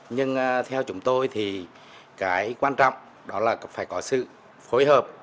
nhưng theo chúng tôi thì cái quan trọng đó là phải có sự phối hợp